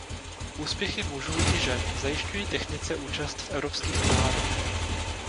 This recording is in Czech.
Úspěchy mužů i žen zajišťují Technice účast v evropských pohárech.